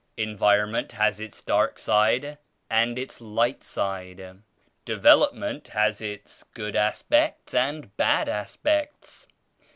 En vironment has its dark side and its light side. Development has its good aspects and bad aspects.